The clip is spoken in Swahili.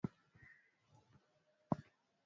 Mume kushauriana na ukoo